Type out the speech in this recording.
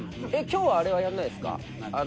今日はあれはやんないんですか？